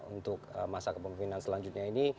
untuk masa kepemimpinan selanjutnya ini